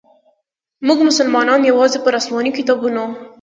موږ مسلمانانو یوازي پر اسماني کتابونو.